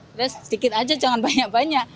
terus sedikit aja jangan banyak banyak